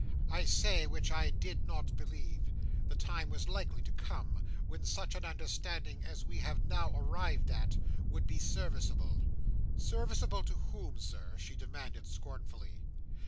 "I say, which I did not believe,—the time was likely to come, when such an understanding as we have now arrived at, would be serviceable." "Serviceable to whom, Sir?" she demanded scornfully.